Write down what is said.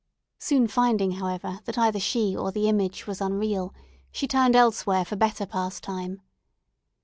Soon finding, however, that either she or the image was unreal, she turned elsewhere for better pastime.